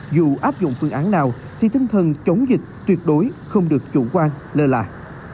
dù áp dụng phương án nào thì tinh thần chống dịch tuyệt đối không được chủ quan lơ là